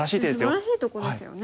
すばらしいとこですよね。